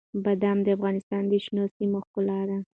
بادام د افغانستان د شنو سیمو ښکلا ده.